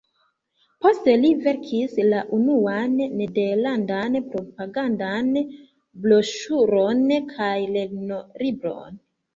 Poste li verkis la unuan nederlandan propagandan broŝuron kaj lernolibron.